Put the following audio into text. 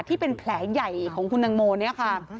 ที่เป็นแผลใหญ่ของคุณตังโมเนี่ยค่ะ